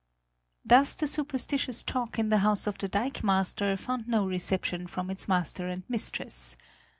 Thus the superstitious talk in the house of the dikemaster found no reception from its master and mistress.